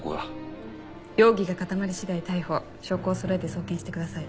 容疑が固まり次第逮捕証拠をそろえて送検してください。